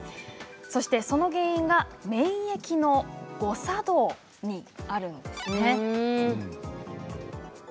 そして、その原因が免疫の誤作動にあるんです。